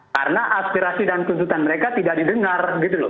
karena aspirasi dan tuntutan mereka tidak didengar